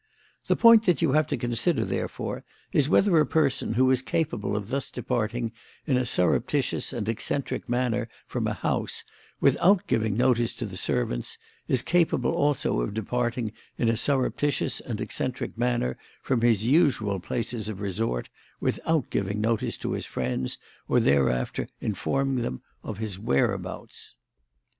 The point that you have to consider, therefore, is whether a person who is capable of thus departing in a surreptitious and eccentric manner from a house, without giving notice to the servants, is capable also of departing in a surreptitious and eccentric manner from his usual places of resort without giving notice to his friends or thereafter informing them of his whereabouts.